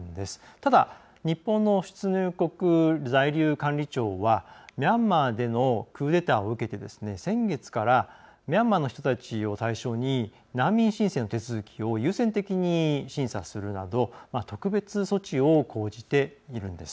ただ、日本の出入国在留管理庁はミャンマーでのクーデターを受け先月からミャンマーの人たちを対象に難民申請の手続きを優先的に審査するなど特別措置を講じているんです。